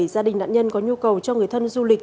gia đình nạn nhân có nhu cầu cho người thân du lịch